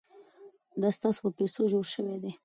دا ستاسو په پیسو جوړ شوي.